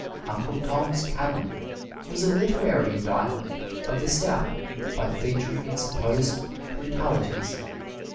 "Uncle Tom's Cabin" was a literary indictment of the South by featuring its supposed brutalities.